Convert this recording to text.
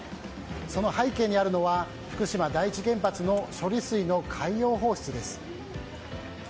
その背景にあるのは福島第一原発の処理水の海洋放出です。